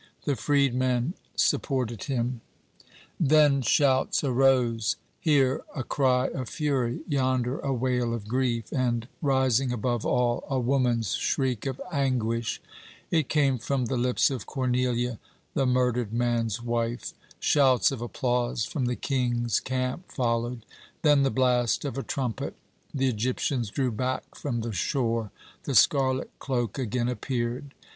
The freedman supported him. "Then shouts arose, here a cry of fury, yonder a wail of grief, and, rising above all, a woman's shriek of anguish. It came from the lips of Cornelia, the murdered man's wife. Shouts of applause from the King's camp followed, then the blast of a trumpet; the Egyptians drew back from the shore. The scarlet cloak again appeared.